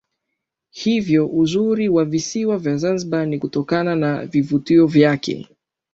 Hivyo uzuri wa visiwa vya Zanzibar ni kutokana na vivutio vyake